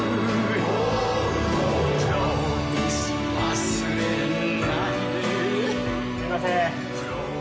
すいません